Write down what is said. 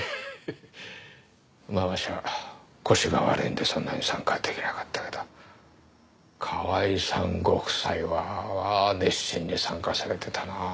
まあわしは腰が悪いんでそんなに参加出来なかったけど河合さんご夫妻は熱心に参加されてたなあ。